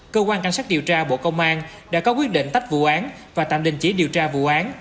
cơ quan cảnh sát điều tra bộ công an đã có quyết định tách vụ án và tạm đình chỉ điều tra vụ án